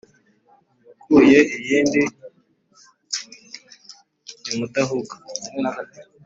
Wakuye izindi i Mudahuga,